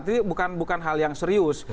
itu bukan bukan hal yang serius